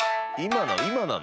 今なの？